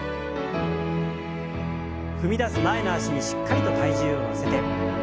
踏み出す前の脚にしっかりと体重を乗せて。